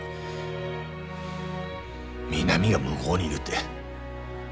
美波が向ごうにいるって。